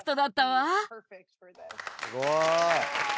すごーい。